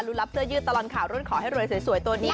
รับเสื้อยืดตลอดข่าวรุ่นขอให้รวยสวยตัวนี้